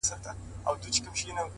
هره ورځ نوی درس وړاندې کوي؛